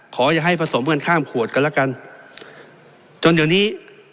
อย่าให้ผสมกันข้ามขวดกันแล้วกันจนเดี๋ยวนี้